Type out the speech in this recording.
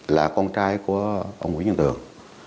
là con trai của ông nguyễn dân tường